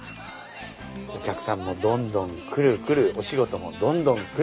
お客さんもどんどん来る来るお仕事もどんどん来る。